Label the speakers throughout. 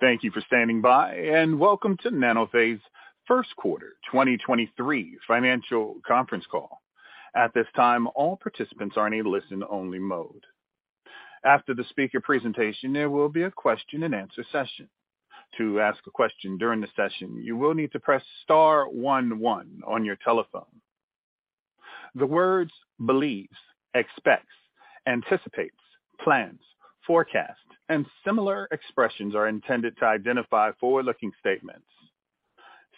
Speaker 1: Thank you for standing by and welcome to Nanophase first quarter 2023 financial conference call. At this time, all participants are in a listen-only mode. After the speaker presentation, there will be a question-and-answer session. To ask a question during the session, you will need to press star one one on your telephone. The words believes, expects, anticipates, plans, forecasts, and similar expressions are intended to identify forward-looking statements.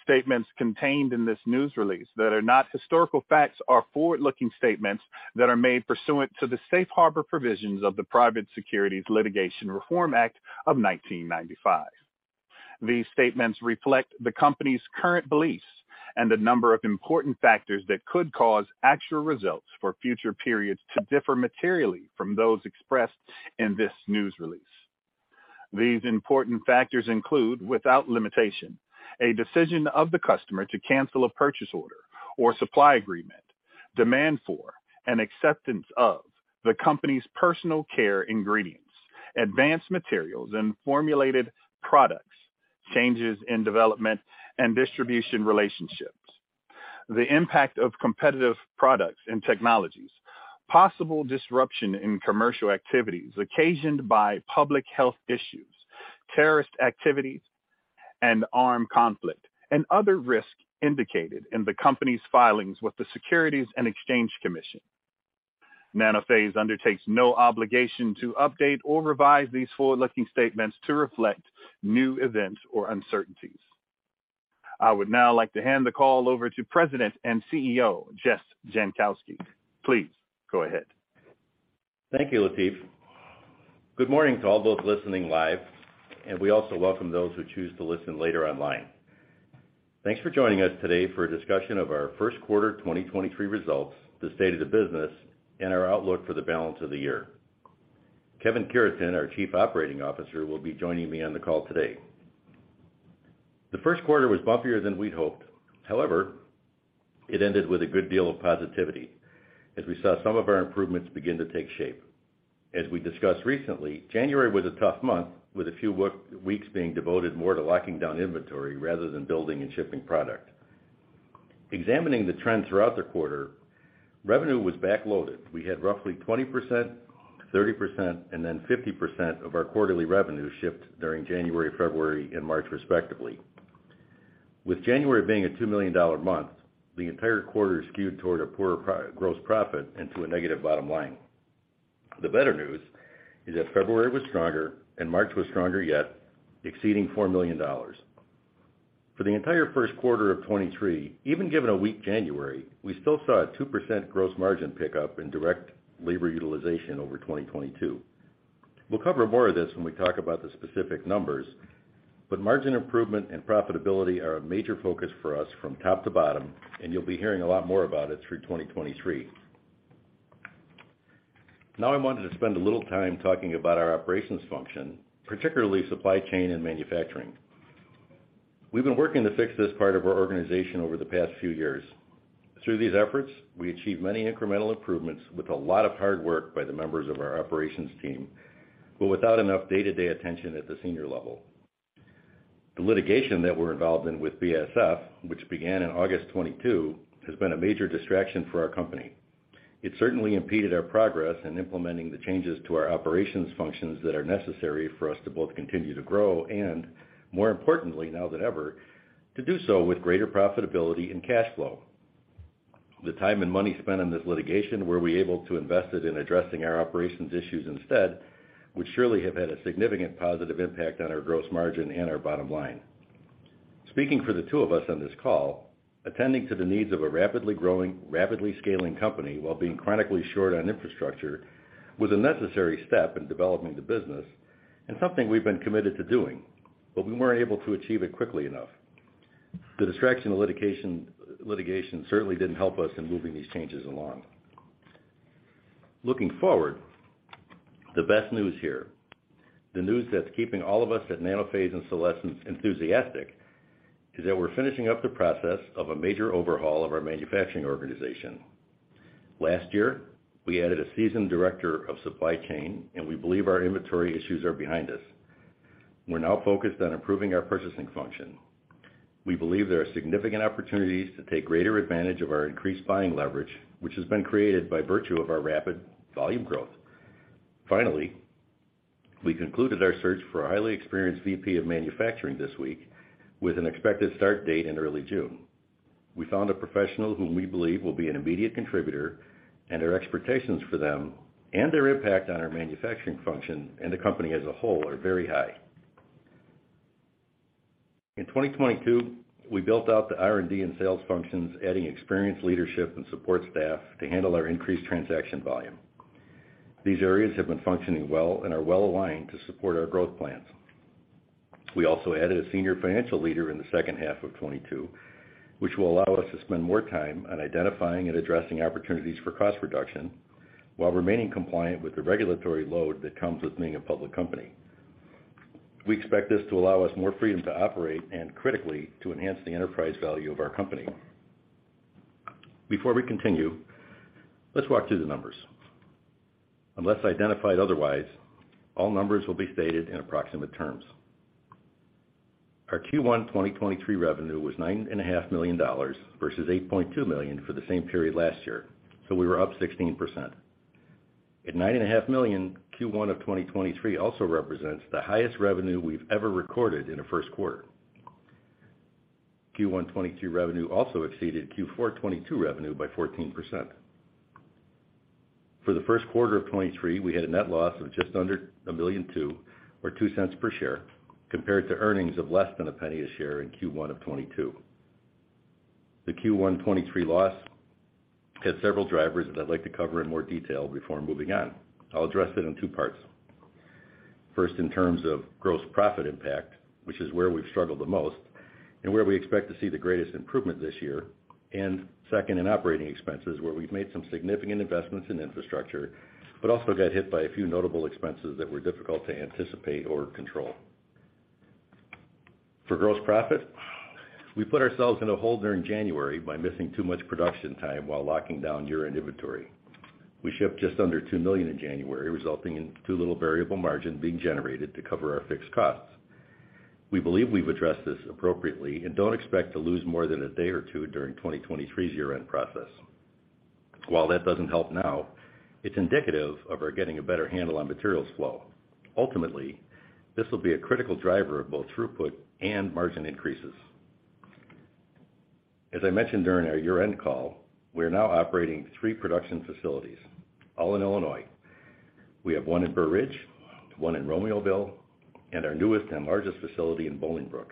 Speaker 1: Statements contained in this news release that are not historical facts are forward-looking statements that are made pursuant to the Safe Harbor provisions of the Private Securities Litigation Reform Act of 1995. These statements reflect the company's current beliefs and a number of important factors that could cause actual results for future periods to differ materially from those expressed in this news release. These important factors include, without limitation, a decision of the customer to cancel a purchase order or supply agreement, demand for an acceptance of the company's personal care ingredients, advanced materials and formulated products, changes in development and distribution relationships, the impact of competitive products and technologies, possible disruption in commercial activities occasioned by public health issues, terrorist activities, and armed conflict, and other risks indicated in the company's filings with the Securities and Exchange Commission. Nanophase undertakes no obligation to update or revise these forward-looking statements to reflect new events or uncertainties. I would now like to hand the call over to President and CEO, Jess Jankowski. Please go ahead.
Speaker 2: Thank you, Latif. Good morning to all those listening live. We also welcome those who choose to listen later online. Thanks for joining us today for a discussion of our first quarter 2023 results, the state of the business, and our outlook for the balance of the year. Kevin Cureton, our Chief Operating Officer, will be joining me on the call today. The first quarter was bumpier than we'd hoped. However, it ended with a good deal of positivity as we saw some of our improvements begin to take shape. As we discussed recently, January was a tough month, with a few weeks being devoted more to locking down inventory rather than building and shipping product. Examining the trends throughout the quarter, revenue was backloaded. We had roughly 20%, 30%, and then 50% of our quarterly revenue shipped during January, February, and March, respectively. With January being a $2 million month, the entire quarter skewed toward a poorer gross profit and to a negative bottom line. The better news is that February was stronger and March was stronger yet, exceeding $4 million. For the entire first quarter of 2023, even given a weak January, we still saw a 2% gross margin pickup in direct labor utilization over 2022. We'll cover more of this when we talk about the specific numbers, but margin improvement and profitability are a major focus for us from top to bottom, and you'll be hearing a lot more about it through 2023. I wanted to spend a little time talking about our operations function, particularly supply chain and manufacturing. We've been working to fix this part of our organization over the past few years. Through these efforts, we achieved many incremental improvements with a lot of hard work by the members of our operations team, but without enough day-to-day attention at the senior level. The litigation that we're involved in with BASF, which began in August 2022, has been a major distraction for our company. It certainly impeded our progress in implementing the changes to our operations functions that are necessary for us to both continue to grow and, more importantly now than ever, to do so with greater profitability and cash flow. The time and money spent on this litigation, were we able to invest it in addressing our operations issues instead, would surely have had a significant positive impact on our gross margin and our bottom line. Speaking for the two of us on this call, attending to the needs of a rapidly growing, rapidly scaling company while being chronically short on infrastructure was a necessary step in developing the business and something we've been committed to doing, but we weren't able to achieve it quickly enough. The distraction of litigation certainly didn't help us in moving these changes along. Looking forward, the best news here, the news that's keeping all of us at Nanophase and Solésence enthusiastic, is that we're finishing up the process of a major overhaul of our manufacturing organization. Last year, we added a seasoned director of supply chain, and we believe our inventory issues are behind us. We're now focused on improving our purchasing function. We believe there are significant opportunities to take greater advantage of our increased buying leverage, which has been created by virtue of our rapid volume growth. We concluded our search for a highly experienced VP of manufacturing this week with an expected start date in early June. We found a professional whom we believe will be an immediate contributor, our expectations for them and their impact on our manufacturing function and the company as a whole are very high. In 2022, we built out the R&D and sales functions, adding experienced leadership and support staff to handle our increased transaction volume. These areas have been functioning well and are well-aligned to support our growth plans. We also added a senior financial leader in the second half of 22, which will allow us to spend more time on identifying and addressing opportunities for cost reduction while remaining compliant with the regulatory load that comes with being a public company. We expect this to allow us more freedom to operate and, critically, to enhance the enterprise value of our company. Before we continue, let's walk through the numbers. Unless identified otherwise, all numbers will be stated in approximate terms. Our Q1 2023 revenue was nine and a half million dollars, versus $8.2 million for the same period last year. We were up 16%. At nine and a half million, Q1 of 2023 also represents the highest revenue we've ever recorded in a first quarter. Q1 2022 revenue also exceeded Q4 2022 revenue by 14%. For the first quarter of 2023, we had a net loss of just under $1.2 million or $0.02 per share, compared to earnings of less than $0.01 a share in Q1 of 2022. The Q1 2023 loss has several drivers that I'd like to cover in more detail before moving on. I'll address it in 2 parts. First, in terms of gross profit impact, which is where we've struggled the most and where we expect to see the greatest improvement this year. Second, in operating expenses, where we've made some significant investments in infrastructure, but also got hit by a few notable expenses that were difficult to anticipate or control. For gross profit, we put ourselves in a hole during January by missing too much production time while locking down year-end inventory. We shipped just under $2 million in January, resulting in too little variable margin being generated to cover our fixed costs. We believe we've addressed this appropriately and don't expect to lose more than a day or two during 2023's year-end process. While that doesn't help now, it's indicative of our getting a better handle on materials flow. Ultimately, this will be a critical driver of both throughput and margin increases. As I mentioned during our year-end call, we are now operating three production facilities, all in Illinois. We have one in Burr Ridge, one in Romeoville, and our newest and largest facility in Bolingbrook.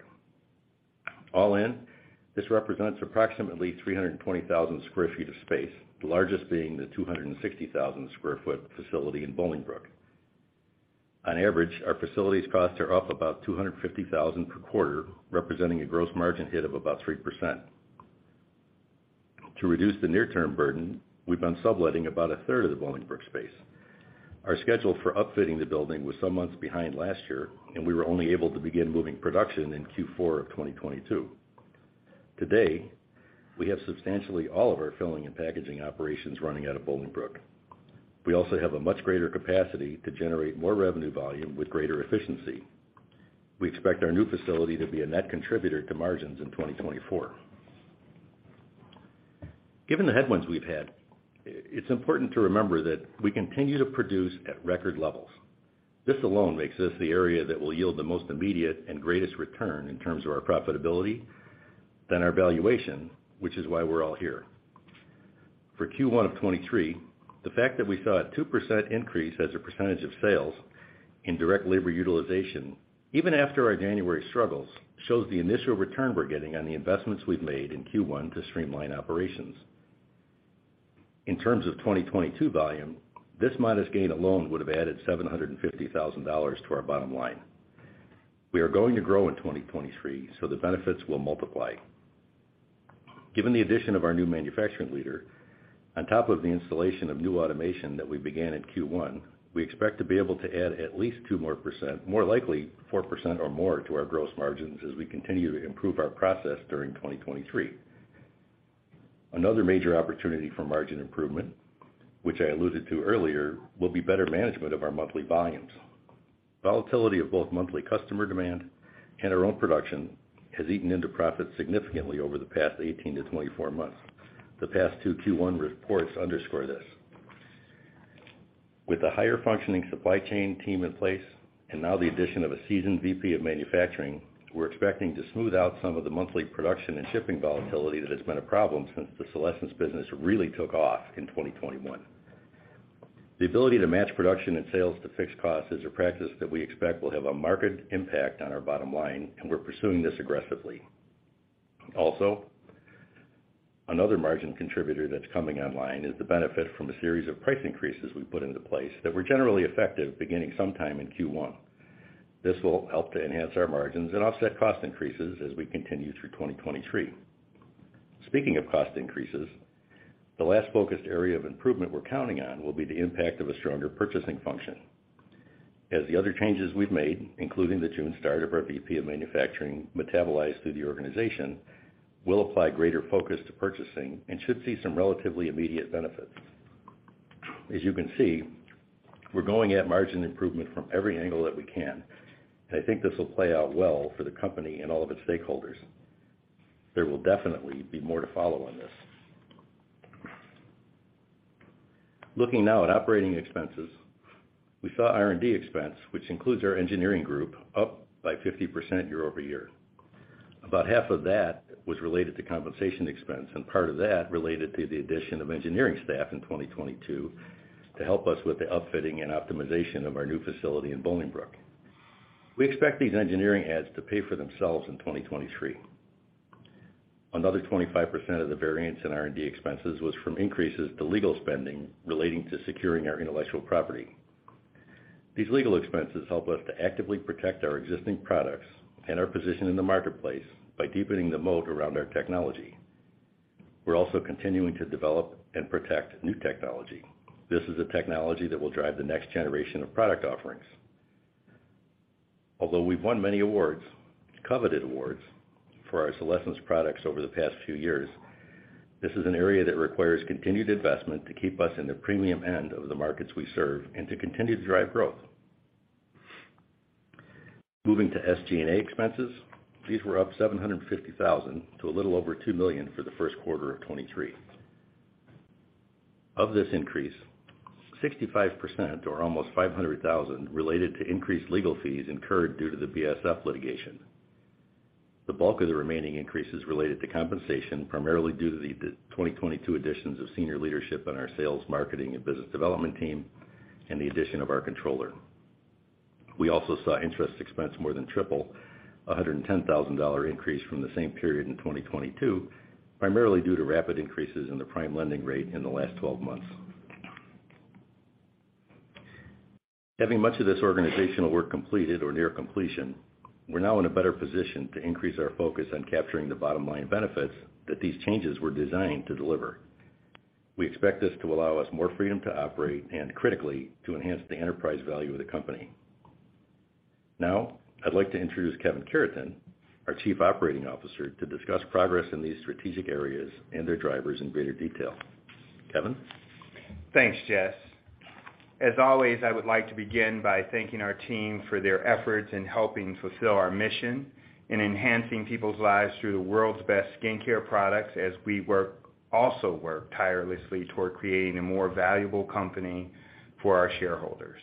Speaker 2: All in, this represents approximately 320,000 sq ft of space, the largest being the 260,000 sq ft facility in Bolingbrook. On average, our facilities costs are up about $250,000 per quarter, representing a gross margin hit of about 3%. To reduce the near-term burden, we've been subletting about a third of the Bolingbrook space. Our schedule for upfitting the building was some months behind last year. We were only able to begin moving production in Q4 of 2022. Today, we have substantially all of our filling and packaging operations running out of Bolingbrook. We also have a much greater capacity to generate more revenue volume with greater efficiency. We expect our new facility to be a net contributor to margins in 2024. Given the headwinds we've had, it's important to remember that we continue to produce at record levels. This alone makes this the area that will yield the most immediate and greatest return in terms of our profitability than our valuation, which is why we're all here. For Q1 of 2023, the fact that we saw a 2% increase as a percentage of sales in direct labor utilization, even after our January struggles, shows the initial return we're getting on the investments we've made in Q1 to streamline operations. In terms of 2022 volume, this modest gain alone would have added $750,000 to our bottom line. We are going to grow in 2023, the benefits will multiply. Given the addition of our new manufacturing leader, on top of the installation of new automation that we began in Q1, we expect to be able to add at least 2% more, more likely 4% or more, to our gross margins as we continue to improve our process during 2023. Another major opportunity for margin improvement, which I alluded to earlier, will be better management of our monthly volumes. Volatility of both monthly customer demand and our own production has eaten into profits significantly over the past 18-24 months. The past 2 Q1 reports underscore this. With a higher functioning supply chain team in place, and now the addition of a seasoned VP of manufacturing, we're expecting to smooth out some of the monthly production and shipping volatility that has been a problem since the Solésence business really took off in 2021. The ability to match production and sales to fixed costs is a practice that we expect will have a marked impact on our bottom line, and we're pursuing this aggressively. Also, another margin contributor that's coming online is the benefit from a series of price increases we put into place that were generally effective beginning sometime in Q1. This will help to enhance our margins and offset cost increases as we continue through 2023. Speaking of cost increases, the last focused area of improvement we're counting on will be the impact of a stronger purchasing function. As the other changes we've made, including the June start of our VP of Manufacturing metabolized through the organization, we'll apply greater focus to purchasing and should see some relatively immediate benefits. As you can see, we're going at margin improvement from every angle that we can, I think this will play out well for the company and all of its stakeholders. There will definitely be more to follow on this. Looking now at operating expenses, we saw R&D expense, which includes our engineering group, up by 50% year-over-year. About half of that was related to compensation expense. Part of that related to the addition of engineering staff in 2022 to help us with the upfitting and optimization of our new facility in Bolingbrook. We expect these engineering adds to pay for themselves in 2023. Another 25% of the variance in R&D expenses was from increases to legal spending relating to securing our intellectual property. These legal expenses help us to actively protect our existing products and our position in the marketplace by deepening the moat around our technology. We're also continuing to develop and protect new technology. This is a technology that will drive the next generation of product offerings. Although we've won many awards, coveted awards, for our Solésence products over the past few years, this is an area that requires continued investment to keep us in the premium end of the markets we serve and to continue to drive growth. Moving to SG&A expenses, these were up $750,000 to a little over $2 million for the first quarter of 2023. Of this increase, 65% or almost $500,000 related to increased legal fees incurred due to the BASF litigation. The bulk of the remaining increases related to compensation, primarily due to the 2022 additions of senior leadership on our sales, marketing, and business development team and the addition of our controller. We also saw interest expense more than triple a $110,000 increase from the same period in 2022, primarily due to rapid increases in the prime lending rate in the last 12 months. Having much of this organizational work completed or near completion, we're now in a better position to increase our focus on capturing the bottom line benefits that these changes were designed to deliver. We expect this to allow us more freedom to operate and critically to enhance the enterprise value of the company. I'd like to introduce Kevin Cureton, our Chief Operating Officer, to discuss progress in these strategic areas and their drivers in greater detail. Kevin?
Speaker 3: Thanks, Jess. As always, I would like to begin by thanking our team for their efforts in helping fulfill our mission in enhancing people's lives through the world's best skincare products as we also work tirelessly toward creating a more valuable company for our shareholders.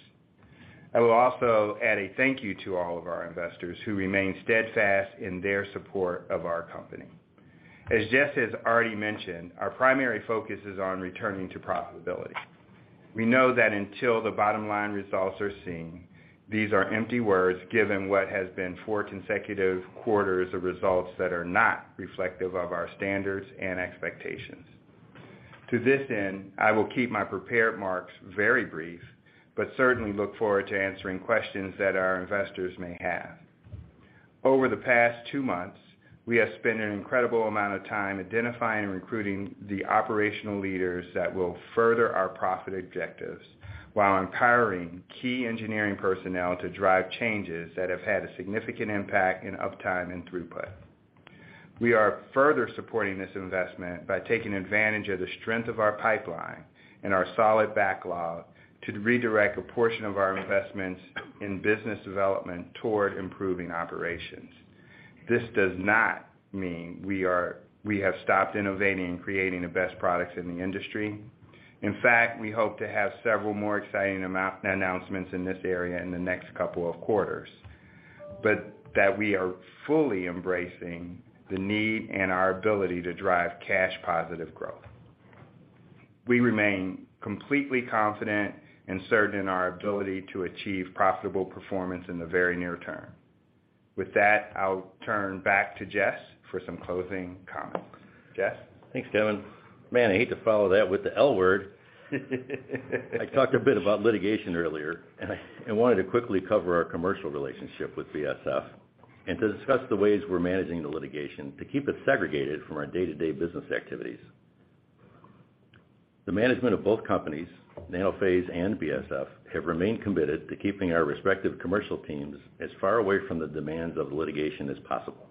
Speaker 3: I will also add a thank you to all of our investors who remain steadfast in their support of our company. As Jess has already mentioned, our primary focus is on returning to profitability. We know that until the bottom line results are seen, these are empty words given what has been four consecutive quarters of results that are not reflective of our standards and expectations. To this end, I will keep my prepared remarks very brief, but certainly look forward to answering questions that our investors may have. Over the past two months, we have spent an incredible amount of time identifying and recruiting the operational leaders that will further our profit objectives while empowering key engineering personnel to drive changes that have had a significant impact in uptime and throughput. We are further supporting this investment by taking advantage of the strength of our pipeline and our solid backlog to redirect a portion of our investments in business development toward improving operations. This does not mean we have stopped innovating and creating the best products in the industry. In fact, we hope to have several more exciting announcements in this area in the next couple of quarters. That we are fully embracing the need and our ability to drive cash positive growth. We remain completely confident and certain in our ability to achieve profitable performance in the very near term. With that, I'll turn back to Jess for some closing comments. Jess?
Speaker 2: Thanks, Kevin. Man, I hate to follow that with the L word. I talked a bit about litigation earlier, I wanted to quickly cover our commercial relationship with BASF and to discuss the ways we're managing the litigation to keep it segregated from our day-to-day business activities. The management of both companies, Nanophase and BASF, have remained committed to keeping our respective commercial teams as far away from the demands of litigation as possible.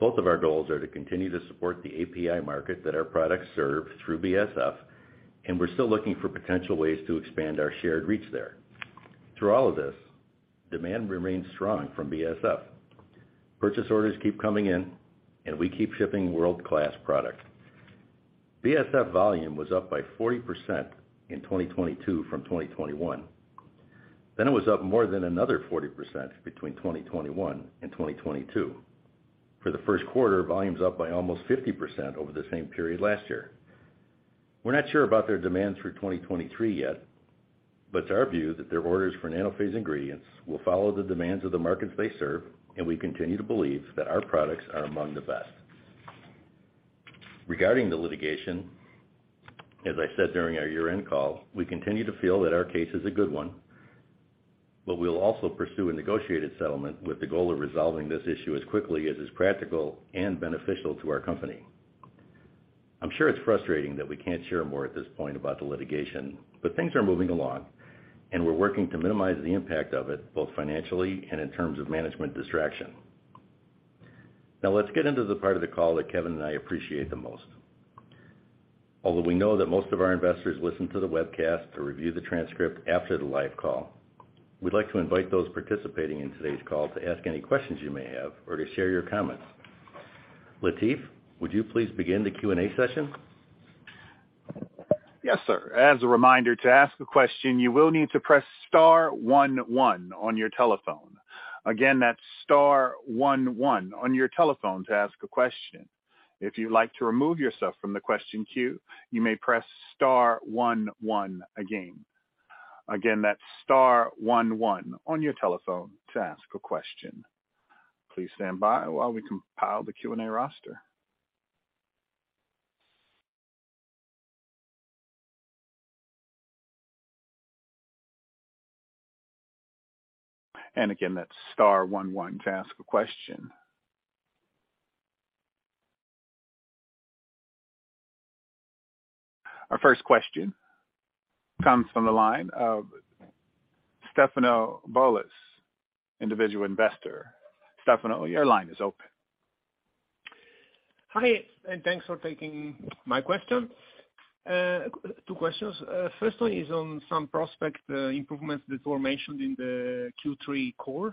Speaker 2: Both of our goals are to continue to support the API market that our products serve through BASF. We're still looking for potential ways to expand our shared reach there. Through all of this, demand remains strong from BASF. Purchase orders keep coming in. We keep shipping world-class product. BASF volume was up by 40% in 2022 from 2021. It was up more than another 40% between 2021 and 2022. For the first quarter, volume's up by almost 50% over the same period last year. We're not sure about their de.ands for 2023 yet, but it's our view that their orders for Nanophase ingredients will follow the demands of the markets they serve, and we continue to believe that our products are among the best. Regarding the litigation, as I said during our year-end call, we continue to feel that our case is a good one, but we'll also pursue a negotiated settlement with the goal of resolving this issue as quickly as is practical and beneficial to our company. I'm sure it's frustrating that we can't share more at this point about the litigation, but things are moving along, and we're working to minimize the impact of it, both financially and in terms of management distraction. Now let's get into the part of the call that Kevin and I appreciate the most. Although we know that most of our investors listen to the webcast or review the transcript after the live call, we'd like to invite those participating in today's call to ask any questions you may have or to share your comments. Latif, would you please begin the Q&A session?
Speaker 1: Yes, sir. As a reminder, to ask a question, you will need to press star one one on your telephone. Again, that's star one one on your telephone to ask a question. If you'd like to remove yourself from the question queue, you may press star one one again. Again, that's star one one on your telephone to ask a question. Please stand by while we compile the Q&A roster. Again, that's star one one to ask a question. Our first question comes from the line of Stefano Bolas, individual investor. Stefano, your line is open.
Speaker 4: Hi, and thanks for taking my question. Two questions. First one is on some prospect improvements that were mentioned in the Q3 call.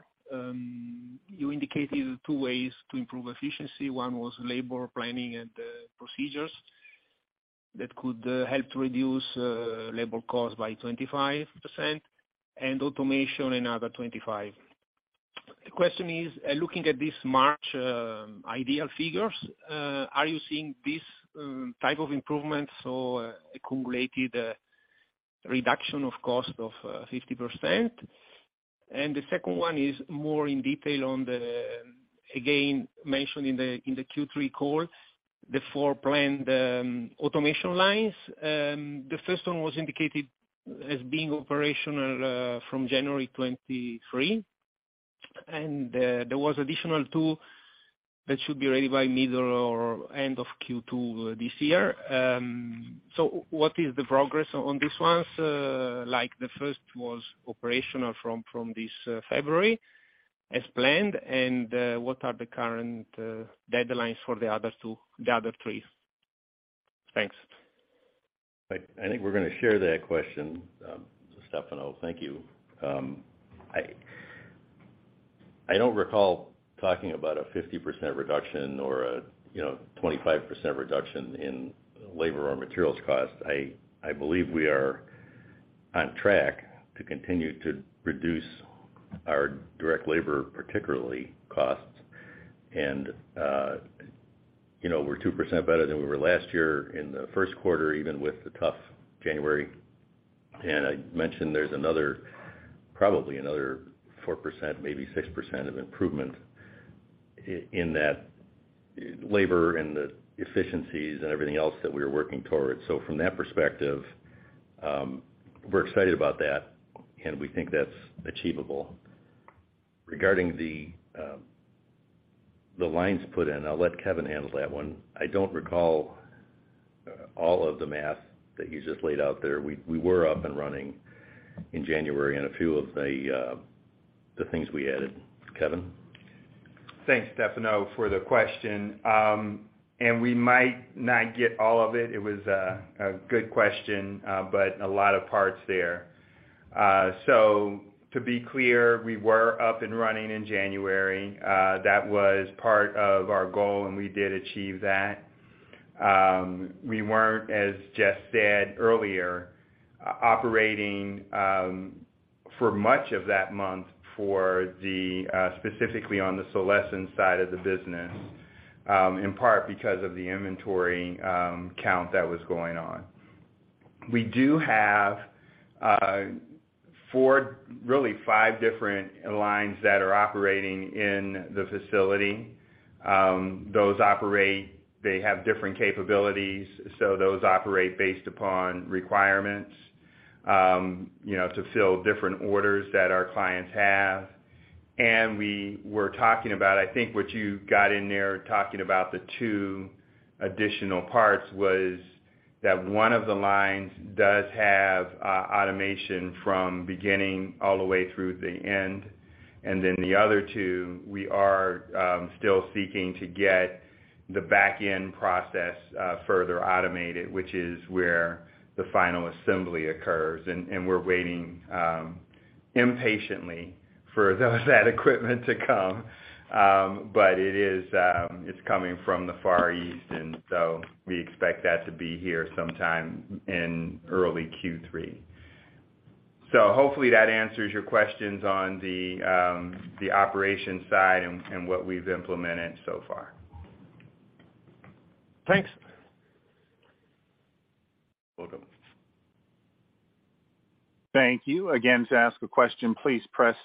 Speaker 4: You indicated two ways to improve efficiency. One was labor planning and procedures that could help to reduce labor costs by 25% and automation another 25%. The question is, looking at this March ideal figures, are you seeing this type of improvements or accumulated reduction of cost of 50%? The second one is more in detail on the, again, mentioned in the Q3 call, the four planned automation lines. The first one was indicated as being operational from January 2023, and there was additional two that should be ready by middle or end of Q2 this year. What is the progress on these ones? like the first was operational from this February as planned. what are the current deadlines for the other three? Thanks.
Speaker 2: I think we're gonna share that question, Stefano. Thank you. I don't recall talking about a 50% reduction or a, you know, 25% reduction in labor or materials cost. I believe we are on track to continue to reduce our direct labor, particularly costs. You know, we're 2% better than we were last year in the first quarter, even with the tough January. I mentioned there's another, probably another 4%, maybe 6% of improvement in that labor and the efficiencies and everything else that we are working towards. From that perspective, we're excited about that, and we think that's achievable. Regarding the lines put in, I'll let Kevin handle that one. I don't recall all of the math that you just laid out there. We were up and running in January on a few of the things we added. Kevin?
Speaker 3: Thanks, Stefano, for the question. We might not get all of it. It was a good question, but a lot of parts there. To be clear, we were up and running in January. That was part of our goal, and we did achieve that. We weren't, as Jeff said earlier, operating for much of that month for the specifically on the Solésence side of the business, in part because of the inventory count that was going on. We do have 4, really 5 different lines that are operating in the facility. Those operate, they have different capabilities, so those operate based upon requirements, you know, to fill different orders that our clients have. We were talking about, I think what you got in there talking about the 2 additional parts was that one of the lines does have automation from beginning all the way through the end. Then the other 2, we are still seeking to get the back-end process further automated, which is where the final assembly occurs. We're waiting impatiently for those equipment to come. It is, it's coming from the Far East, and so we expect that to be here sometime in early Q3. Hopefully that answers your questions on the operations side and what we've implemented so far.
Speaker 4: Thanks.
Speaker 1: Thank you. Again, to ask a question, please press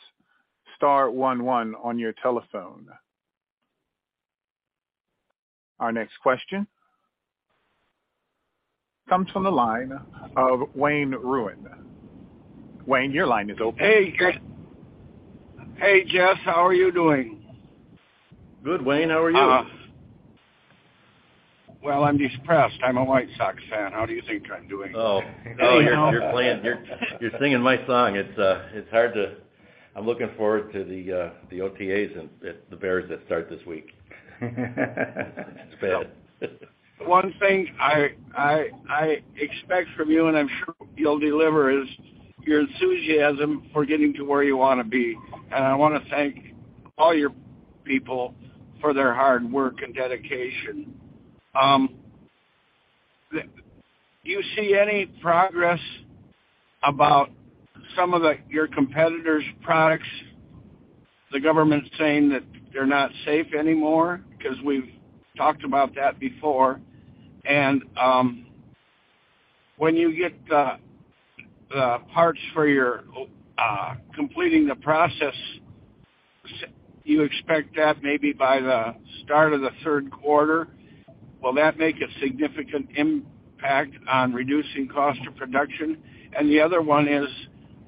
Speaker 1: star one one on your telephone. Our next question comes from the line of Wayne Ruin. Wayne, your line is open.
Speaker 5: Hey, Jeff. Hey, Jeff. How are you doing?
Speaker 2: Good, Wayne Ruin. How are you?
Speaker 5: Well, I'm depressed. I'm a White Sox fan. How do you think I'm doing?
Speaker 2: Oh, you're playing. You're singing my song. It's hard to... I'm looking forward to the OTAs and the Bears that start this week. It's bad.
Speaker 5: One thing I expect from you, and I'm sure you'll deliver, is your enthusiasm for getting to where you wanna be. I wanna thank all your people for their hard work and dedication. You see any progress about some of the, your competitors products, the government saying that they're not safe anymore? We've talked about that before. When you get the parts for your completing the process, you expect that maybe by the start of the third quarter, will that make a significant impact on reducing cost of production? The other one is,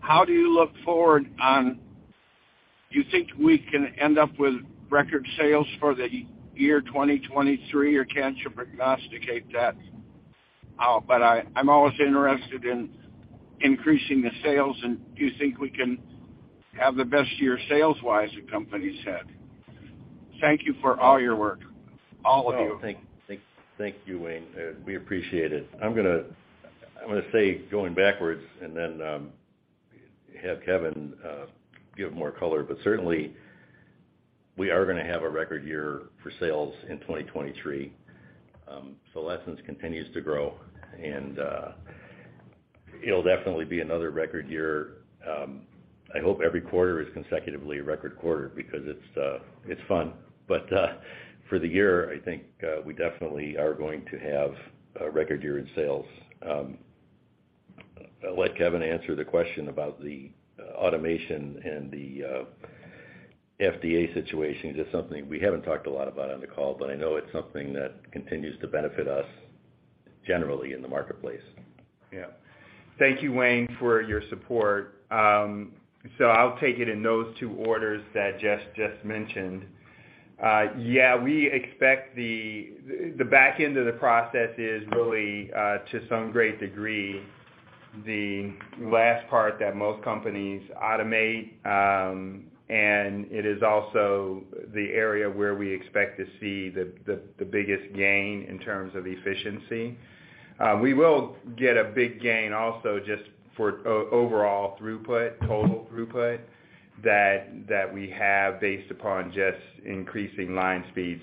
Speaker 5: how do you look forward on-Do you think we can end up with record sales for the year 2023, or can't you prognosticate that? But I'm always interested in increasing the sales. Do you think we can have the best year sales-wise the company's had? Thank you for all your work, all of you.
Speaker 2: Thank you, Wayne. We appreciate it. I'm gonna say going backwards, and then, have Kevin give more color. Certainly, we are gonna have a record year for sales in 2023. Solésence continues to grow, and it'll definitely be another record year. I hope every quarter is consecutively a record quarter because it's fun. For the year, I think, we definitely are going to have a record year in sales. I'll let Kevin answer the question about the automation and the FDA situation. It's just something we haven't talked a lot about on the call, but I know it's something that continues to benefit us generally in the marketplace.
Speaker 3: Yeah. Thank you, Wayne, for your support. I'll take it in those two orders that Jeff just mentioned. yeah, we expect the back end of the process is really to some great degree, the last part that most companies automate, and it is also the area where we expect to see the biggest gain in terms of efficiency. We will get a big gain also just for overall throughput, total throughput that we have based upon just increasing line speed.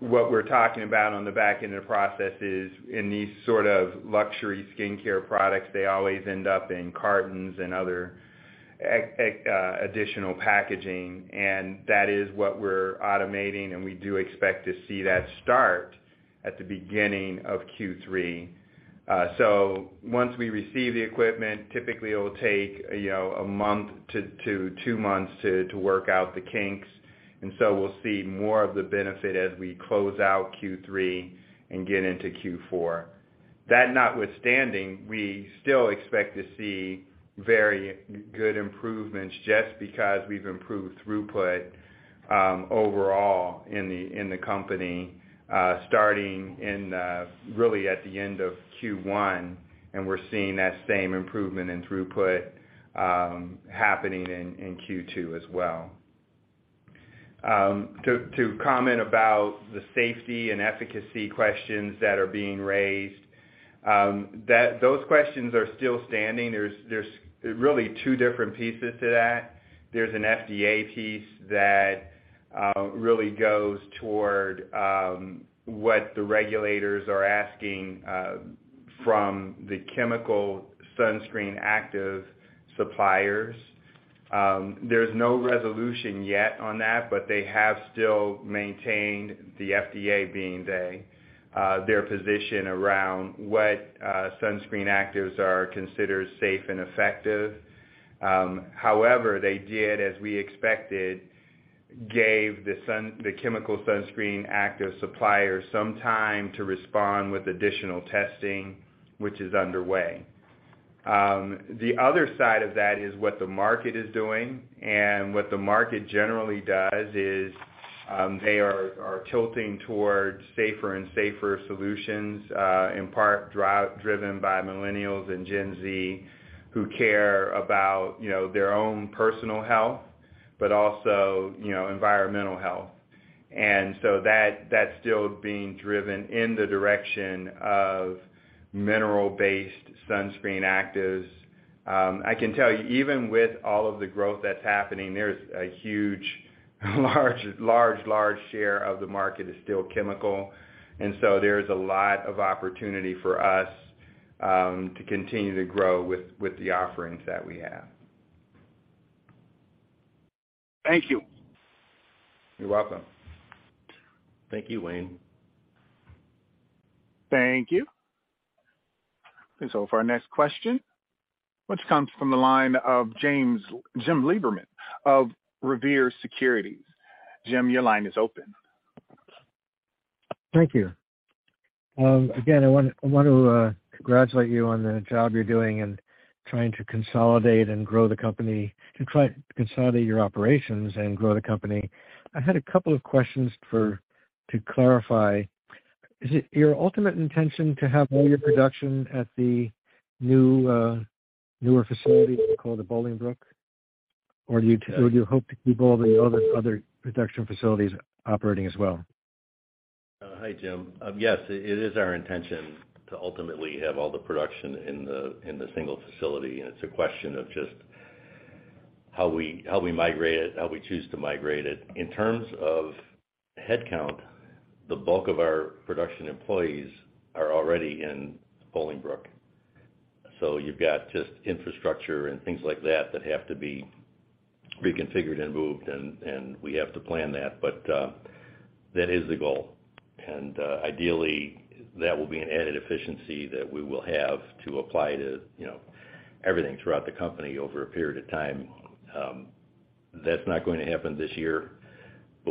Speaker 3: What we're talking about on the back end of the process is, in these sort of luxury skincare products, they always end up in cartons and other additional packaging, and that is what we're automating, and we do expect to see that start at the beginning of Q3. Once we receive the equipment, typically it'll take, you know, 1 month to 2 months to work out the kinks. We'll see more of the benefit as we close out Q3 and get into Q4. That notwithstanding, we still expect to see very good improvements just because we've improved throughput overall in the company, starting really at the end of Q1, and we're seeing that same improvement in throughput happening in Q2 as well. To comment about the safety and efficacy questions that are being raised, those questions are still standing. There's really 2 different pieces to that. There's an FDA piece that really goes toward what the regulators are asking from the chemical sunscreen active suppliers. There's no resolution yet on that, but they have still maintained, the FDA being they, their position around what sunscreen actives are considered safe and effective. However, they did, as we expected, gave the chemical sunscreen active suppliers some time to respond with additional testing, which is underway. The other side of that is what the market is doing. What the market generally does is, they are tilting towards safer and safer solutions, in part driven by millennials and Gen Z who care about, you know, their own personal health, but also, you know, environmental health. That's still being driven in the direction of mineral-based sunscreen actives. I can tell you, even with all of the growth that's happening, there's a huge, large share of the market is still chemical. There's a lot of opportunity for us to continue to grow with the offerings that we have.
Speaker 5: Thank you.
Speaker 3: You're welcome.
Speaker 2: Thank you, Wayne.
Speaker 1: Thank you. For our next question, which comes from the line of Jim Lieberman of Revere Securities. Jim, your line is open.
Speaker 6: Thank you. again, I want to congratulate you on the job you're doing in trying to consolidate and grow the company, to try to consolidate your operations and grow the company. I had a couple of questions to clarify. Is it your ultimate intention to have all your production at the new, newer facility called the Bolingbrook? Or do you, would you hope to keep all the other production facilities operating as well?
Speaker 2: Hi, Jim. Yes, it is our intention to ultimately have all the production in the single facility. It's a question of just how we migrate it, how we choose to migrate it. In terms of headcount, the bulk of our production employees are already in Bolingbrook. You've got just infrastructure and things like that that have to be reconfigured and moved, and we have to plan that. That is the goal. Ideally, that will be an added efficiency that we will have to apply to, you know, everything throughout the company over a period of time. That's not going to happen this year.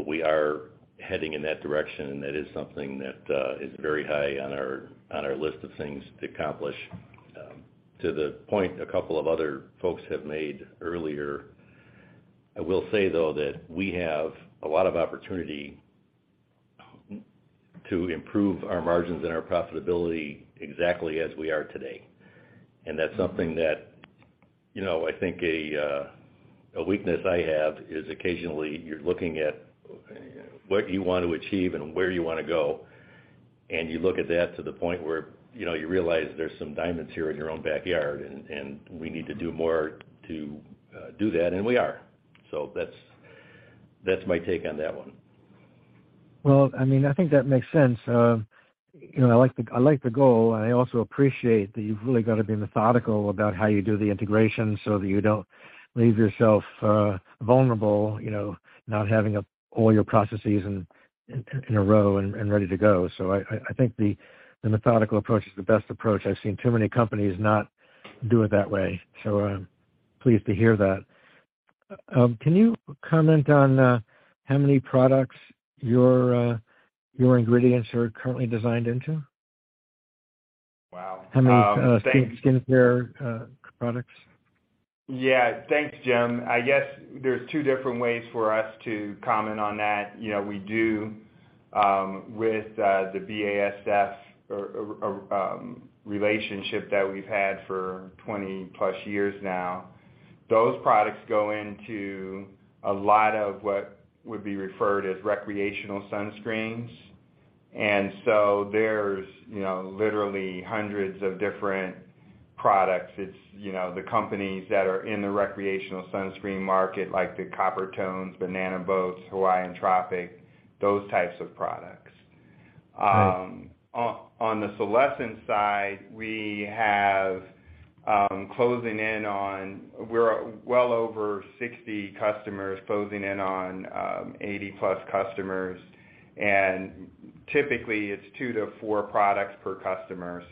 Speaker 3: We are heading in that direction, and that is something that is very high on our, on our list of things to accomplish. To the point a couple of other folks have made earlier, I will say though that we have a lot of opportunity to improve our margins and our profitability exactly as we are today. That's something that, you know, I think a weakness I have is occasionally you're looking at what you want to achieve and where you wanna go, and you look at that to the point where, you know, you realize there's some diamonds here in your own backyard, and we need to do more to do that, and we are. That's, that's my take on that one.
Speaker 6: Well, I mean, I think that makes sense. you know, I like the goal. I also appreciate that you've really got to be methodical about how you do the integration so that you don't leave yourself vulnerable, you know, not having all your processes in a row and ready to go. I think the methodical approach is the best approach. I've seen too many companies not do it that way, so I'm pleased to hear that. Can you comment on how many products your ingredients are currently designed into?
Speaker 3: Wow.
Speaker 6: How many skincare products?
Speaker 3: Thanks, Jim. I guess there's two different ways for us to comment on that. You know, we do with the BASF relationship that we've had for 20-plus years now. Those products go into a lot of what would be referred as recreational sunscreens. There's, you know, literally hundreds of different products. It's, you know, the companies that are in the recreational sunscreen market, like the Coppertone, Banana Boat, Hawaiian Tropic, those types of products.
Speaker 6: Great.
Speaker 3: On the Solésence side, We're well over 60 customers, closing in on, 80-plus customers. Typically it's 2-4 products per customer.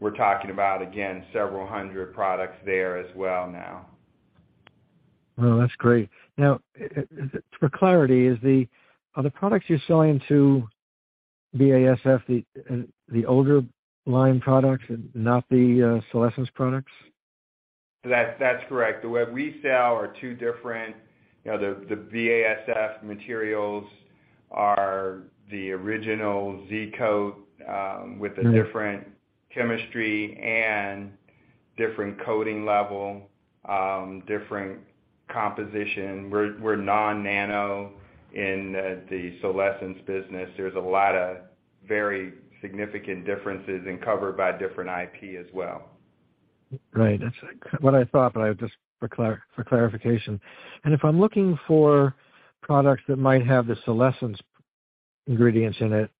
Speaker 3: We're talking about, again, several hundred products there as well now.
Speaker 6: Well, that's great. Now, for clarity, are the products you're selling to BASF the older line products and not the Solésence products?
Speaker 3: That's correct. What we sell are two different. You know, the BASF materials are the original Z-Code with a different chemistry and different coding level, different composition. We're non-nano in the Solésence business. There's a lot of very significant differences and covered by different IP as well.
Speaker 6: Right. That's what I thought, but just for clarification. If I'm looking for products that might have the Solésence ingredients in it,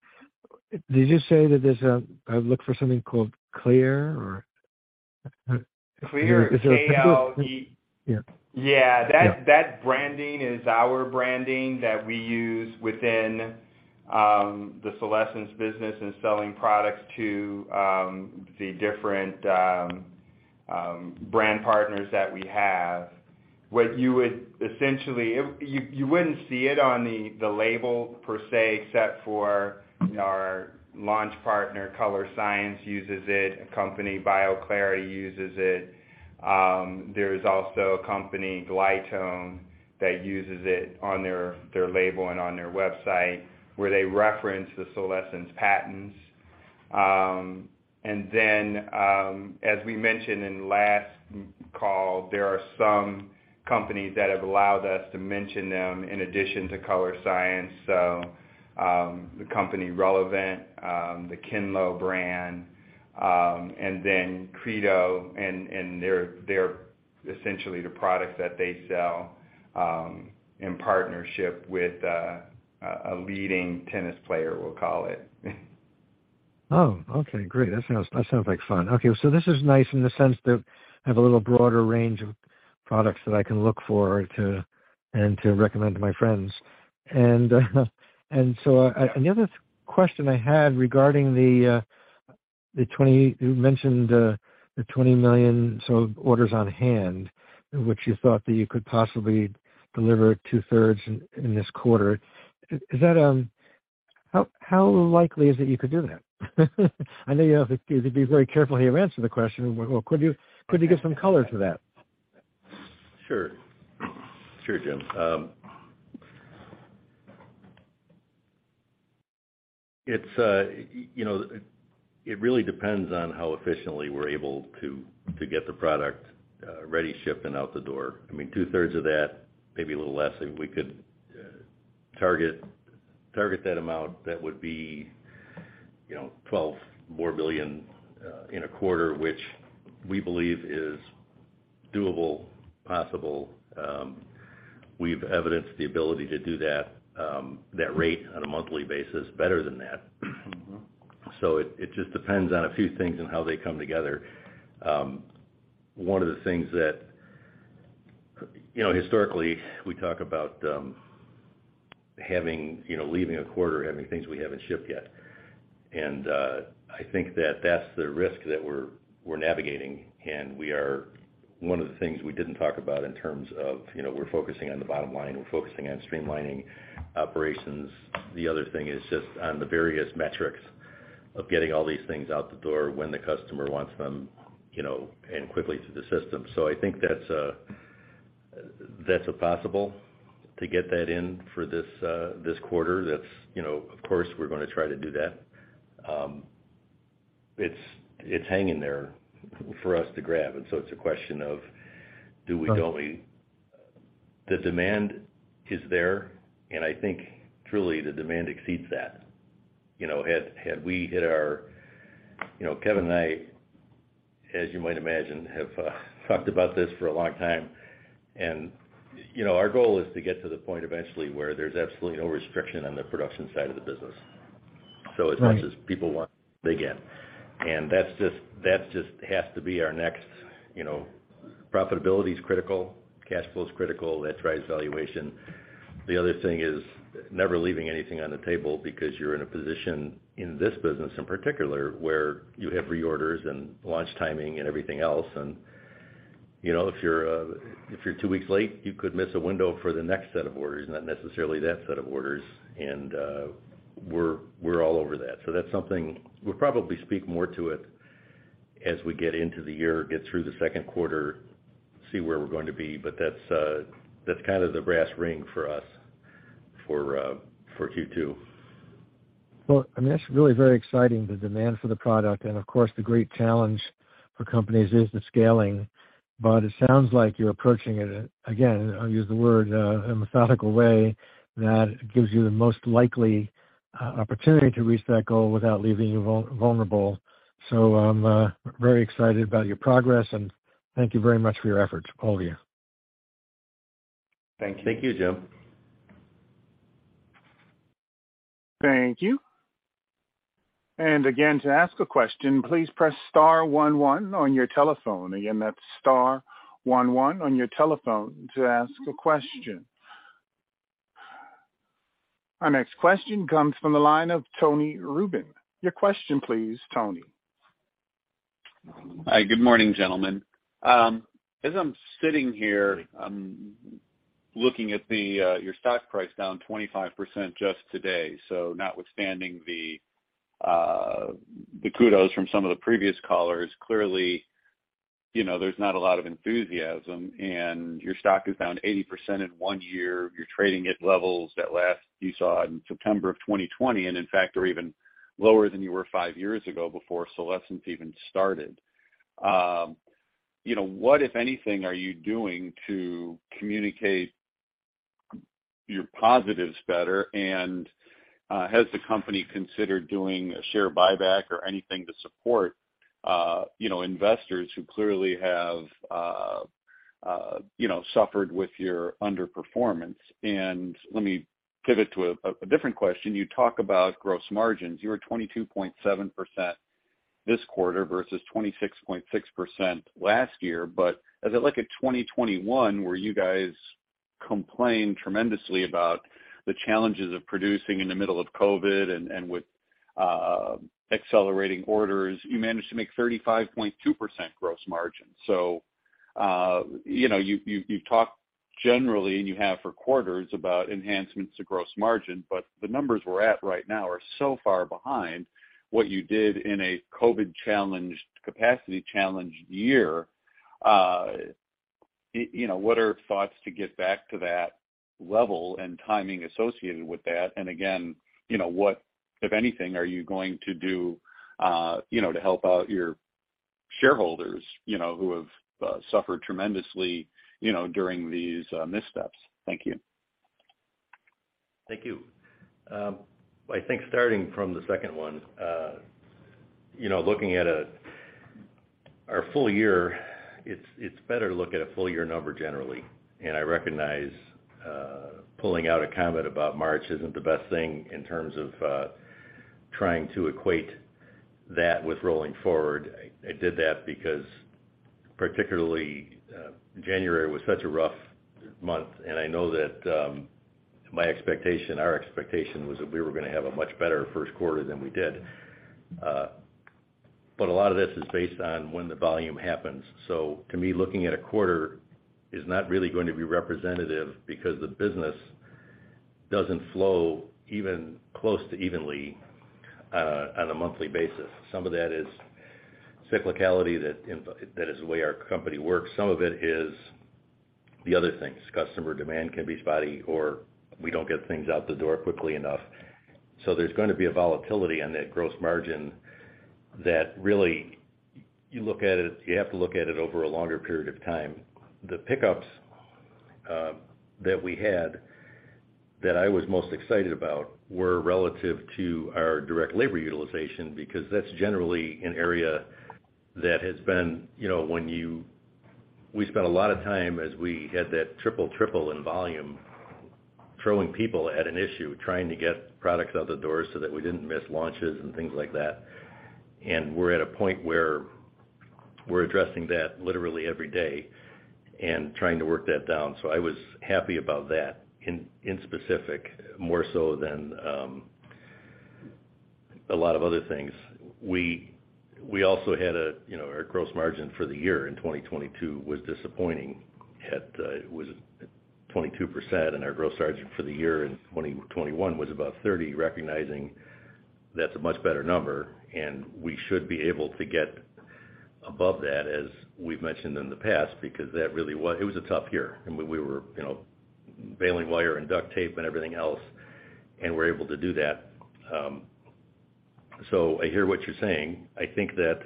Speaker 6: did you say that I look for something called Kleer, or...?
Speaker 3: Kleer.
Speaker 6: Is it-
Speaker 3: K-L-E-
Speaker 6: Yeah.
Speaker 3: Yeah.
Speaker 6: Yeah.
Speaker 3: That branding is our branding that we use within the Solésence business and selling products to the different brand partners that we have. You wouldn't see it on the label per se, except for our launch partner, Colorescience, uses it. A company, bioClarity, uses it. There's also a company, Glytone, that uses it on their label and on their website, where they reference the Solésence patents. As we mentioned in last call, there are some companies that have allowed us to mention them in addition to Colorescience. The company Relevant, the KINLÒ brand, and then Credo and essentially the product that they sell in partnership with a leading tennis player, we'll call it.
Speaker 6: Oh, okay. Great. That sounds, that sounds like fun. This is nice in the sense that I have a little broader range of products that I can look for to, and to recommend to my friends. The other question I had regarding the, you mentioned, the $20 million sort of orders on hand, which you thought that you could possibly deliver two-thirds in this quarter. Is that... How likely is it you could do that? I know you have to be very careful how you answer the question. Could you give some color to that?
Speaker 3: Sure. Sure, Jim. It's, you know, it really depends on how efficiently we're able to get the product ready, shipped, and out the door. I mean, two-thirds of that, maybe a little less, if we could target that amount, that would be, you know, $12 million in a quarter, which we believe is doable, possible. We've evidenced the ability to do that rate on a monthly basis better than that.
Speaker 6: Mm-hmm.
Speaker 3: It just depends on a few things and how they come together. One of the things that, you know, historically, we talk about, having, you know, leaving a quarter, having things we haven't shipped yet.
Speaker 2: I think that that's the risk that we're navigating, and one of the things we didn't talk about in terms of, you know, we're focusing on the bottom line, we're focusing on streamlining operations. The other thing is just on the various metrics of getting all these things out the door when the customer wants them, you know, and quickly to the system. I think that's possible to get that in for this quarter. That's, you know, of course, we're gonna try to do that. It's hanging there for us to grab, and so it's a question of do we, don't we? The demand is there, and I think truly the demand exceeds that. You know, had we hit our... You know, Kevin and I, as you might imagine, have talked about this for a long time. You know, our goal is to get to the point eventually where there's absolutely no restriction on the production side of the business.
Speaker 6: Right.
Speaker 2: As much as people want, they get. That's just, that just has to be our next, you know. Profitability is critical. Cash flow is critical. That drives valuation. The other thing is never leaving anything on the table because you're in a position in this business in particular, where you have reorders and launch timing and everything else. You know, if you're, if you're 2 weeks late, you could miss a window for the next set of orders, not necessarily that set of orders. We're all over that. That's something. We'll probably speak more to it as we get into the year, get through the second quarter, see where we're going to be, but that's kind of the brass ring for us for Q2.
Speaker 6: Well, I mean, that's really very exciting, the demand for the product, and of course, the great challenge for companies is the scaling. It sounds like you're approaching it, again, I'll use the word, a methodical way that gives you the most likely opportunity to reach that goal without leaving you vulnerable. I'm very excited about your progress, and thank you very much for your efforts, all of you.
Speaker 2: Thank you.
Speaker 7: Thank you, Joe.
Speaker 1: Thank you. Again, to ask a question, please press star one one on your telephone. Again, that's star one one on your telephone to ask a question. Our next question comes from the line of Tony Rubin. Your question, please, Tony.
Speaker 7: Hi. Good morning, gentlemen. As I'm sitting here, I'm looking at the your stock price down 25% just today. Notwithstanding the the kudos from some of the previous callers, clearly, you know, there's not a lot of enthusiasm, and your stock is down 80% in 1 year. You're trading at levels that last you saw in September of 2020, and in fact are even lower than you were 5 years ago before Solésence even started. You know, what, if anything, are you doing to communicate your positives better? Has the company considered doing a share buyback or anything to support you know, investors who clearly have suffered with your underperformance? Let me pivot to a different question. You talk about gross margins. You were 22.7% this quarter versus 26.6% last year. As I look at 2021, where you guys complained tremendously about the challenges of producing in the middle of COVID and with accelerating orders, you managed to make 35.2% gross margin. You know, you've talked generally, and you have for quarters, about enhancements to gross margin, but the numbers we're at right now are so far behind what you did in a COVID-challenged, capacity-challenged year. You know, what are thoughts to get back to that level and timing associated with that? Again, you know, what, if anything, are you going to do, you know, to help out your shareholders, you know, who have suffered tremendously, you know, during these missteps? Thank you.
Speaker 2: Thank you. I think starting from the second one, you know, looking at our full year, it's better to look at a full year number generally. I recognize, pulling out a comment about March isn't the best thing in terms of trying to equate that with rolling forward. I did that because particularly January was such a rough month, and I know that my expectation, our expectation was that we were gonna have a much better first quarter than we did. A lot of this is based on when the volume happens. To me, looking at a quarter is not really going to be representative because the business doesn't flow even close to evenly on a monthly basis. Some of that is cyclicality that is the way our company works. Some of it is the other things. Customer demand can be spotty, or we don't get things out the door quickly enough. There's gonna be a volatility on that gross margin that really you look at it, you have to look at it over a longer period of time. The pickups that we had that I was most excited about were relative to our direct labor utilization, because that's generally an area that has been, you know, We spent a lot of time as we had that triple in volume, throwing people at an issue, trying to get products out the door so that we didn't miss launches and things like that. We're at a point where We're addressing that literally every day and trying to work that down. I was happy about that in specific, more so than a lot of other things. We also had a, you know, our gross margin for the year in 2022 was disappointing. It was 22%, and our gross margin for the year in 2021 was about 30%, recognizing that's a much better number, and we should be able to get above that, as we've mentioned in the past, because that really it was a tough year, and we were, you know, bailing wire and duct tape and everything else, and we're able to do that. I hear what you're saying. I think that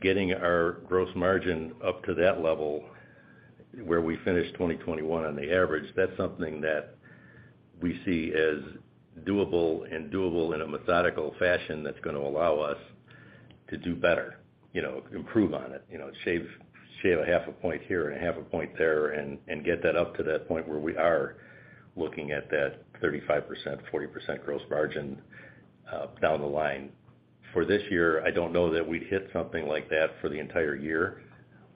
Speaker 2: getting our gross margin up to that level, where we finished 2021 on the average, that's something that we see as doable and doable in a methodical fashion that's gonna allow us to do better, you know, improve on it. You know, shave a half a point here and a half a point there and get that up to that point where we are looking at that 35%, 40% gross margin down the line. For this year, I don't know that we'd hit something like that for the entire year.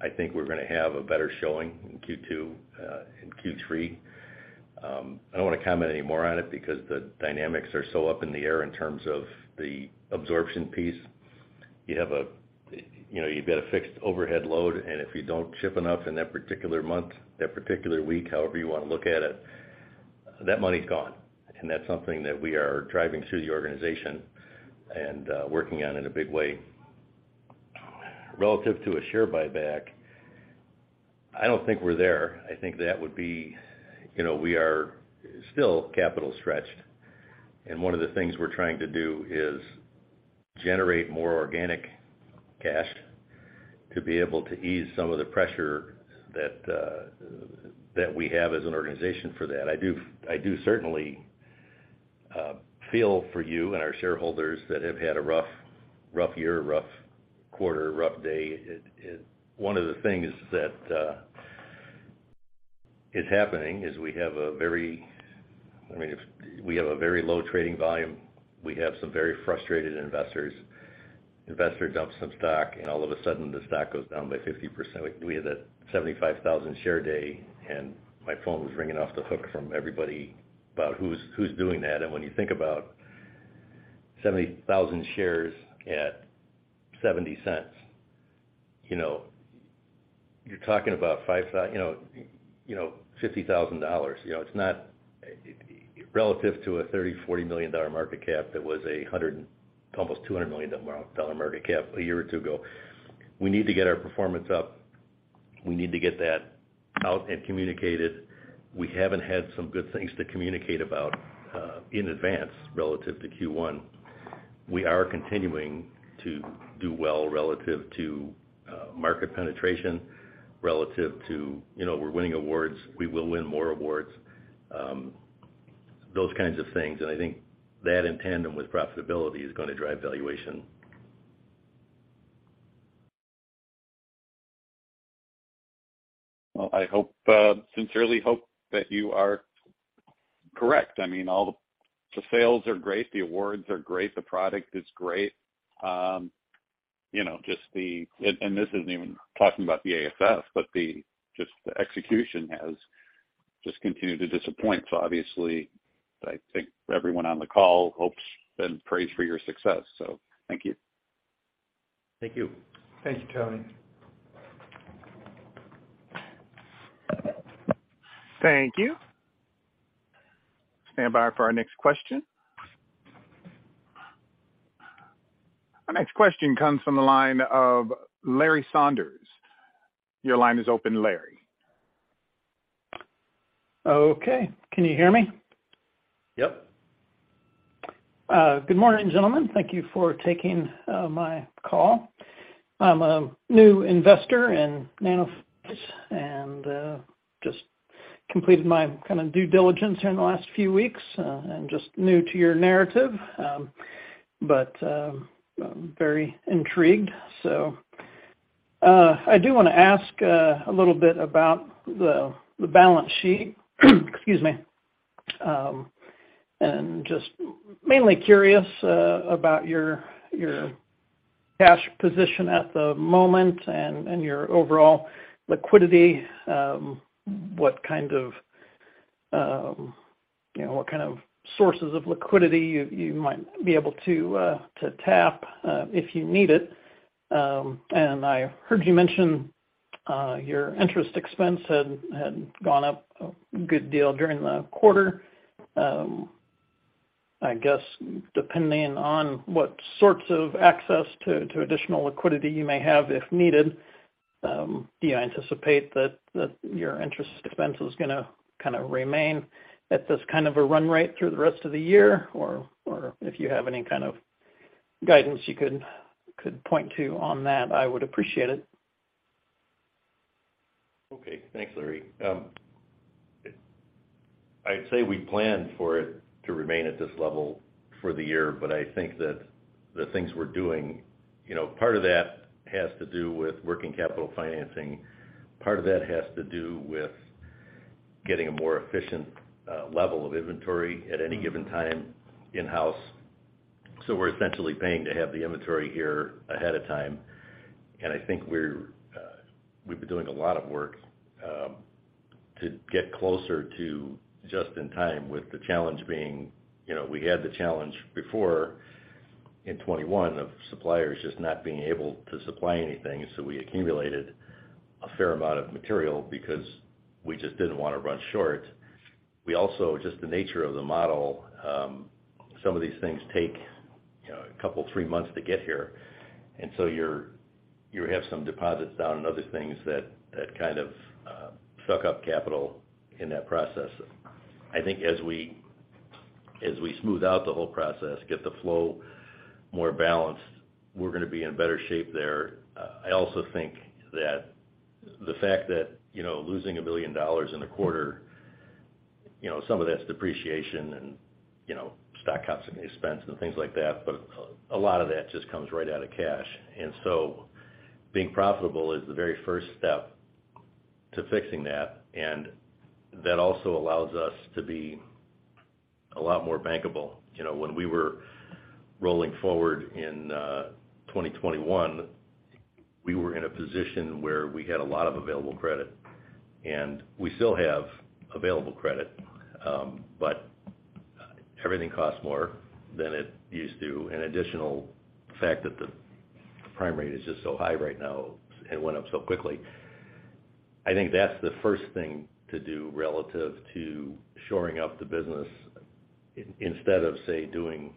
Speaker 2: I think we're gonna have a better showing in Q2, in Q3. I don't wanna comment any more on it because the dynamics are so up in the air in terms of the absorption piece. You have, you know, you've got a fixed overhead load, and if you don't ship enough in that particular month, that particular week, however you wanna look at it, that money's gone. That's something that we are driving through the organization and working on in a big way. Relative to a share buyback, I don't think we're there. I think that would be, you know, we are still capital-stretched, and one of the things we're trying to do is generate more organic cash to be able to ease some of the pressure that we have as an organization for that. I do certainly feel for you and our shareholders that have had a rough year, a rough quarter, a rough day. It... One of the things that is happening is we have a very, I mean, if we have a very low trading volume, we have some very frustrated investors. Investor dumps some stock, all of a sudden the stock goes down by 50%. We had a 75,000 share day, my phone was ringing off the hook from everybody about who's doing that. When you think about 70,000 shares at $0.70, you know, you're talking about, you know, $50,000. You know, it's not relative to a $30 million-$40 million market cap that was a $100 million, almost $200 million market cap a year or 2 ago. We need to get our performance up. We need to get that out and communicated. We haven't had some good things to communicate about in advance relative to Q1. We are continuing to do well relative to market penetration, relative to. You know, we're winning awards. We will win more awards, those kinds of things. I think that in tandem with profitability is gonna drive valuation.
Speaker 7: Well, I hope, sincerely hope that you are correct. I mean, all the sales are great, the awards are great, the product is great. You know, this isn't even talking about the BASF, but just the execution has just continued to disappoint. Obviously, I think everyone on the call hopes and prays for your success, so thank you.
Speaker 2: Thank you. Thank you, Tony.
Speaker 1: Thank you. Stand by for our next question. Our next question comes from the line of Larry Saunders. Your line is open, Larry.
Speaker 8: Okay. Can you hear me?
Speaker 1: Yep.
Speaker 8: Good morning, gentlemen. Thank you for taking my call. I'm a new investor in Nanophase and just completed my kind of due diligence here in the last few weeks, and just new to your narrative. I'm very intrigued. I do wanna ask a little bit about the balance sheet. Excuse me. Just mainly curious about your cash position at the moment and your overall liquidity. What kind of, you know, what kind of sources of liquidity you might be able to tap if you need it. I heard you mention your interest expense had gone up a good deal during the quarter. I guess depending on what sorts of access to additional liquidity you may have if needed, do you anticipate that your interest expense is gonna kinda remain at this kind of a run rate through the rest of the year? If you have any kind of guidance you could point to on that, I would appreciate it.
Speaker 2: Okay. Thanks, Larry. I'd say we plan for it to remain at this level for the year, but I think that the things we're doing, you know, part of that has to do with working capital financing. Part of that has to do with getting a more efficient level of inventory at any given time in-house. We're essentially paying to have the inventory here ahead of time, and I think we're we've been doing a lot of work to get closer to just in time, with the challenge being, you know, we had the challenge before in 2021 of suppliers just not being able to supply anything, so we accumulated a fair amount of material because we just didn't wanna run short. We also, just the nature of the model, some of these things take, you know, a couple, three months to get here. You have some deposits down and other things that kind of suck up capital in that process. I think as we smooth out the whole process, get the flow more balanced, we're gonna be in better shape there. I also think that the fact that, you know, losing $1 billion in a quarter, you know, some of that's depreciation and, you know, stock compensation expense and things like that, but a lot of that just comes right out of cash. Being profitable is the very first step to fixing that, and that also allows us to be a lot more bankable. You know, when we were rolling forward in 2021, we were in a position where we had a lot of available credit, and we still have available credit, but everything costs more than it used to. An additional fact that the prime rate is just so high right now, it went up so quickly. I think that's the first thing to do relative to shoring up the business instead of, say, doing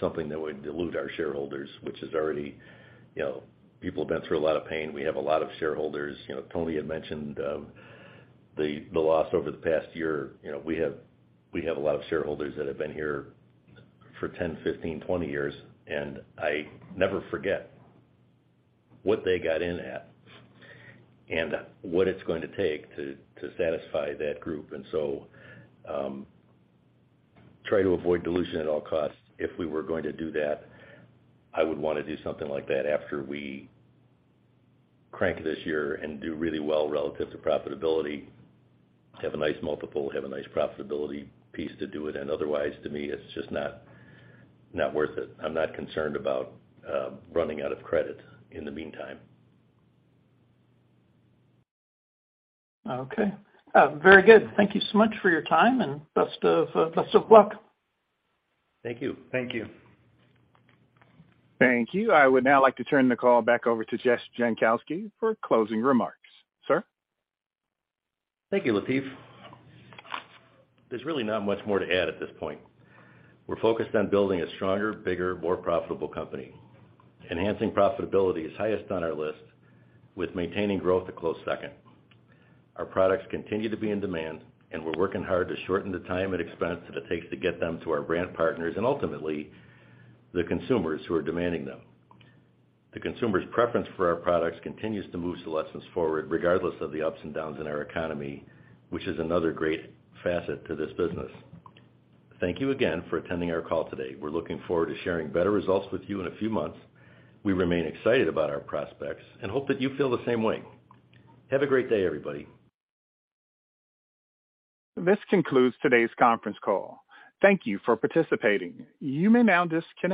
Speaker 2: something that would dilute our shareholders, which is already... You know, people have been through a lot of pain. We have a lot of shareholders. You know, Tony had mentioned the loss over the past year. You know, we have a lot of shareholders that have been here for 10, 15, 20 years. I never forget what they got in at and what it's going to take to satisfy that group. Try to avoid dilution at all costs. If we were going to do that, I would wanna do something like that after we crank this year and do really well relative to profitability, have a nice multiple, have a nice profitability piece to do it. Otherwise, to me, it's just not worth it. I'm not concerned about running out of credit in the meantime.
Speaker 8: Okay. Very good. Thank you so much for your time and best of luck.
Speaker 2: Thank you. Thank you.
Speaker 1: Thank you. I would now like to turn the call back over to Jess Jankowski for closing remarks. Sir?
Speaker 2: Thank you, Latif. There's really not much more to add at this point. We're focused on building a stronger, bigger, more profitable company. Enhancing profitability is highest on our list, with maintaining growth a close second. Our products continue to be in demand, and we're working hard to shorten the time and expense that it takes to get them to our brand partners and ultimately the consumers who are demanding them. The consumers' preference for our products continues to move Solésence forward regardless of the ups and downs in our economy, which is another great facet to this business. Thank you again for attending our call today. We're looking forward to sharing better results with you in a few months. We remain excited about our prospects and hope that you feel the same way. Have a great day, everybody.
Speaker 1: This concludes today's conference call. Thank you for participating. You may now disconnect.